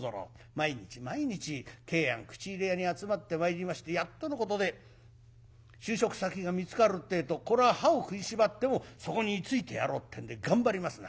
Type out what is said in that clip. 毎日毎日桂庵口入れ屋に集まって参りましてやっとのことで就職先が見つかるってえとこれは歯を食いしばってもそこに居ついてやろうってんで頑張りますな。